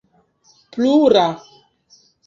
plura